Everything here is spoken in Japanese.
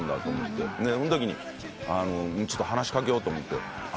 そのとき話し掛けようと思って。